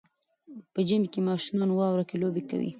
په ژمي کې ماشومان واوره کې لوبې کوي.